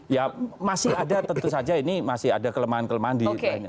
ya masih ada tentu saja ini masih ada kelemahan kelemahan di lainnya